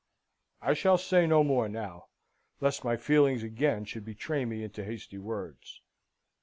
I shall say no more now, lest my feelings again should betray me into hasty words.